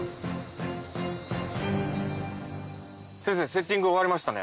セッティング終わりましたね。